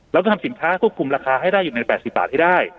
เราจะทำสินค้าควบคุมราคาอยู่ใน๘๐บาท